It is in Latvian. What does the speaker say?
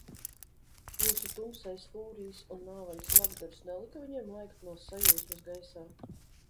Jūsu Tumsejs Fūrijs un Nāvens Nagdurs nelika viņiem lēkt no sajūsmas gaisā?